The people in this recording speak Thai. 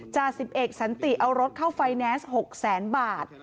จ่าสิบเอกสันติเอารถเข้าไฟแนนซ์๖แสนบาท